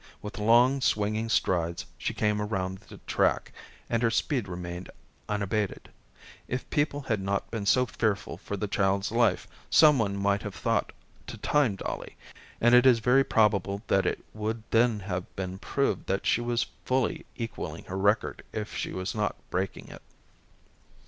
With long swinging strides she came around the track, and her speed remained unabated. If people had not been so fearful for the child's life, some one might have thought to time Dollie, and it is very probable that it would then have been proved that she was fully equaling her record if she was not breaking it.